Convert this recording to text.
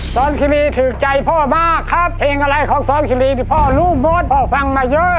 สอนคิรีถูกใจพ่อมากครับเพลงอะไรของสอนคิรีที่พ่อรู้หมดพ่อฟังมาเยอะ